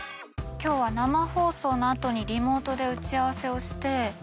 今日は生放送の後にリモートで打ち合わせをして。